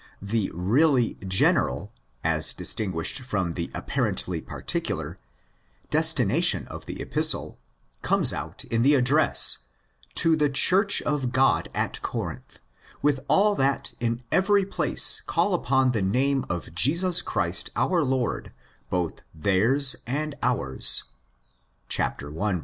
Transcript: The really general, as distinguished from the apparently particular, destination of the Epistle, comes out in the address: to the Church of God at Corinth '' with all that in every place call upon the name of Jesus Christ our Lord, both theirs and ours "' (i. 2).